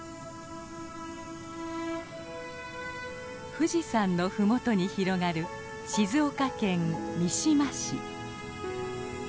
富士山のふもとに広がる静岡県三島市。